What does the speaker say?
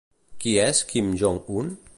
Qui és Kim Jong-un?